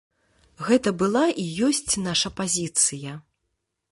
Гэта была і ёсць наша пазіцыя.